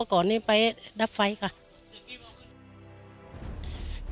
อันนี้ไปจับไฟก่อน